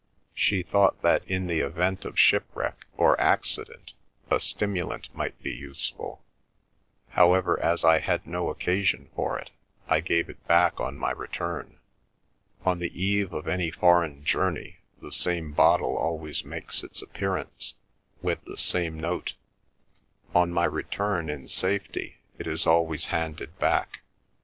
She thought that in the event of shipwreck or accident a stimulant might be useful. However, as I had no occasion for it, I gave it back on my return. On the eve of any foreign journey the same bottle always makes its appearance, with the same note; on my return in safety it is always handed back.